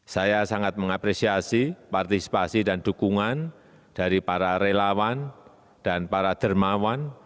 saya sangat mengapresiasi partisipasi dan dukungan dari para relawan dan para dermawan